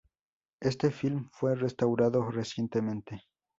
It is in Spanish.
Este film fue restaurado recientemente.